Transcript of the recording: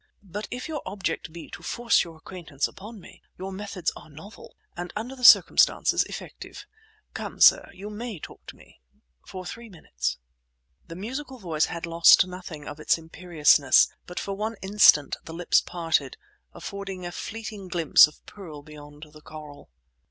But if your object be to force your acquaintance upon me, your methods are novel, and, under the circumstances, effective. Come, sir, you may talk to me—for three minutes!" The musical voice had lost nothing of its imperiousness, but for one instant the lips parted, affording a fleeting glimpse of pearl beyond the coral.